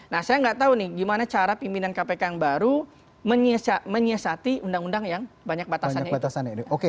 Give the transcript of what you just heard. nah saya nggak tahu nih gimana cara pimpinan kpk yang baru menyiasati undang undang yang banyak batasannya itu